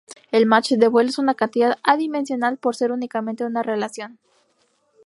El Mach de vuelo es una cantidad adimensional, por ser únicamente una relación.